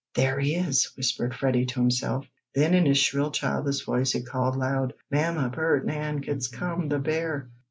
"There he is!" whispered Freddie to himself. Then in his shrill childish voice he called loud: "Mamma! Bert! Nan! It's come! The bear!